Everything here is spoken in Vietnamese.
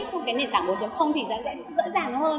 trong nền tảng bốn thì sẽ dễ dàng hơn